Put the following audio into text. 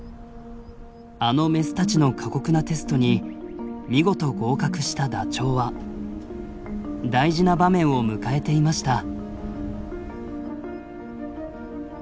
あのメスたちの過酷なテストに見事合格したダチョウは大事な場面を迎えていました。